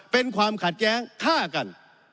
เป็นความขัดแย้งฆ่ากัน